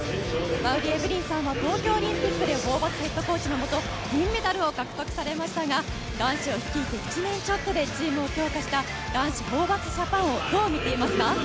馬瓜エブリンさんは東京オリンピックでホーバスヘッドコーチのもと銀メダルを獲得されましたが男子を率いて１年ちょっとでチームを強化した男子ホーバスジャパンをどう見ていますか？